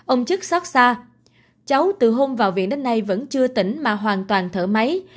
ông chức xót xa cháu từ hôm vào viện đến nay vẫn chưa tỉnh mà hoàn toàn thở máy